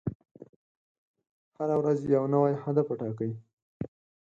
هره ورځ یو نوی هدف ټاکئ.